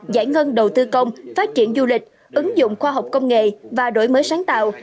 giải ngân đầu tư công phát triển du lịch ứng dụng khoa học công nghệ và đổi mới sáng tạo